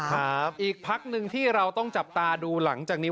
ครับอีกพักหนึ่งที่เราต้องจับตาดูหลังจากนี้